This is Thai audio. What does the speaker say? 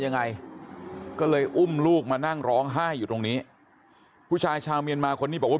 ยังไงก็เลยอุ้มลูกมานั่งร้องไห้อยู่ตรงนี้ผู้ชายชาวเมียนมาคนนี้บอกว่า